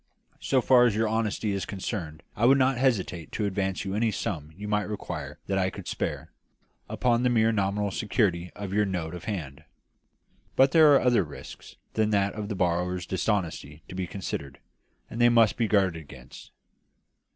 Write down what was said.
So far as your honesty is concerned I would not hesitate to advance you any sum you might require that I could spare, upon the mere nominal security of your note of hand. But there are other risks than that of the borrower's dishonesty to be considered, and they must be guarded against.